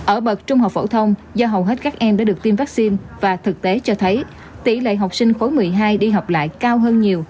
ở bậc trung học phổ thông do hầu hết các em đã được tiêm vaccine và thực tế cho thấy tỷ lệ học sinh khối một mươi hai đi học lại cao hơn nhiều